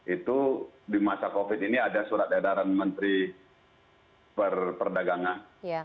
itu di masa covid ini ada surat edaran menteri perdagangan